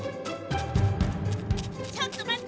ちょっと待って！